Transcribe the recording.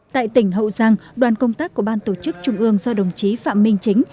tại tỉnh hậu giang đoàn công tác của ban tổ chức trung ương do đồng chí phạm minh chính